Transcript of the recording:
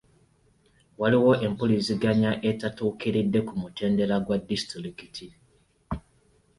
Waliwo empuliziganya etatuukiridde ku mutendera gwa disitulikiti.